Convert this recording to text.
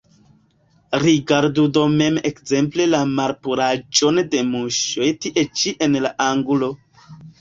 Rigardu do mem ekzemple la malpuraĵon de muŝoj tie ĉi en la angulo.